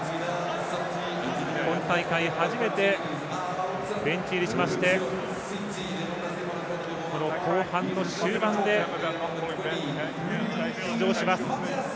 今大会初めてベンチ入りしまして後半の終盤で出場します。